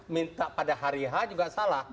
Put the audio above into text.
minta pada hari h juga salah